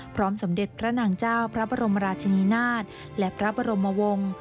สมเด็จพระนางเจ้าพระบรมราชนีนาฏและพระบรมวงศ์